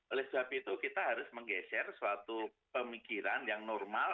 oleh sebab itu kita harus menggeser suatu pemikiran yang normal